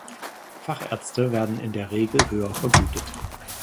Fachärzte werden in der Regel höher vergütet.